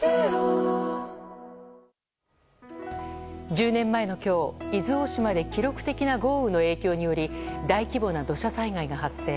１０年前の今日、伊豆大島で記録的な豪雨の影響により大規模な土砂災害が発生。